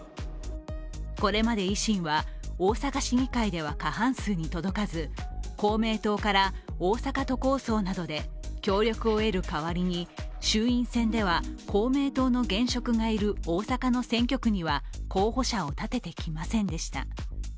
これまで維新は大阪市議会では過半数に届かず公明党から大阪都構想などで協力を得る代わりに衆院選では公明党の現職がいる大阪の選挙区には候補者を立ててきませんでした。